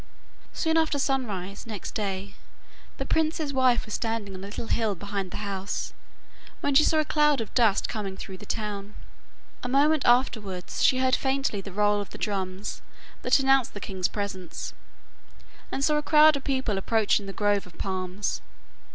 Soon after sunrise next day the prince's wife was standing on a little hill behind the house, when she saw a cloud of dust coming through the town. A moment afterwards she heard faintly the roll of the drums that announced the king's presence, and saw a crowd of people approaching the grove of palms.